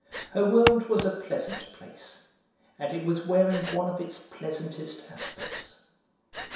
Her world was a pleasant place, and it was wearing one of its pleasantest aspects.